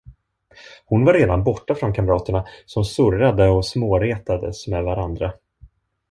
Hon var redan borta från kamraterna, som surrade och småretades med varandra.